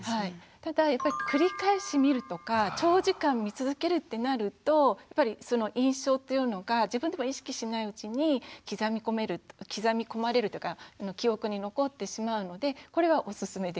ただやっぱり繰り返し見るとか長時間見続けるってなるとやっぱりその印象っていうのが自分でも意識しないうちに刻み込まれるというか記憶に残ってしまうのでこれはおすすめできません。